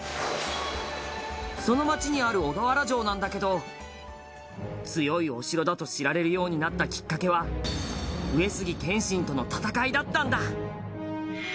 その街にある小田原城なんだけど強いお城だと知られるようになったきっかけは上杉謙信との戦いだったんだ